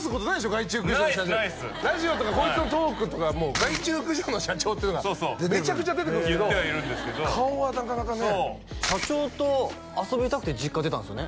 害虫駆除の社長ないっすないっすラジオとかこいつのトークとか害虫駆除の社長っていうのがめちゃくちゃ出てくるんですけど言ってはいるんですけど顔はなかなかね社長と遊びたくて実家出たんですよね？